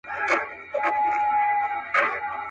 تر لحده به دي ستړی زکندن وي.